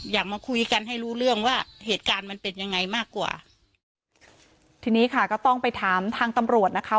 อยากมาคุยกันให้รู้เรื่องว่าเหตุการณ์มันเป็นยังไงมากกว่าทีนี้ค่ะก็ต้องไปถามทางตำรวจนะคะ